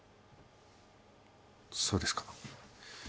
そうですか。